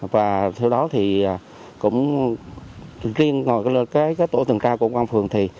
và theo đó thì cũng riêng ngồi cái tổ tuần tra của công an phường thì